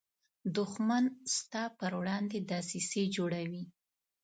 دښمن ستا پر وړاندې دسیسې جوړوي